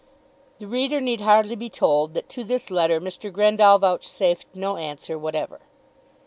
The reader need hardly be told that to this letter Mr. Grendall vouchsafed no answer whatever.